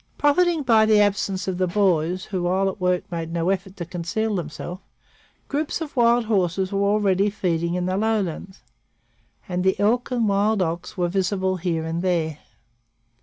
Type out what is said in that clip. Profiting by the absence of the boys, who while at work made no effort to conceal themselves, groups of wild horses were already feeding in the lowlands, and the elk and wild ox were visible here and there.